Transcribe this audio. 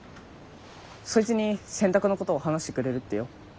そいつに洗濯のことを話してくれるってよ。